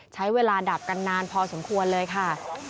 ใช้เวลาดับตัวมากนานพอควรเลยค่ะ